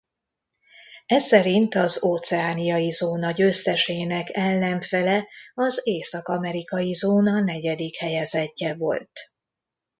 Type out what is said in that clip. Eszerint az óceániai zóna győztesének ellenfele az észak-amerikai zóna negyedik helyezettje volt.